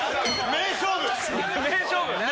名勝負！